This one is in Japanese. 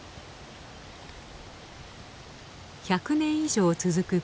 １００年以上続く